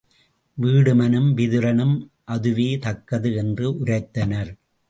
வீடுமனும் விதுரனும் அதுவே தக்கது என்று உரைத்தனர்.